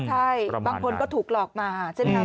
ใช่บางคนก็ถูกหลอกมาใช่ไหมครับ